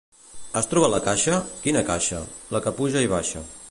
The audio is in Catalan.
—Has trobat la caixa? —Quina caixa? —La que puja i baixa.